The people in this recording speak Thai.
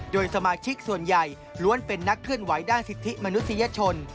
โดยสมาชิกส่วนใหญ่ล้วนเป็นนักเคลื่อนไหวด้านสิทธิมนุษยชน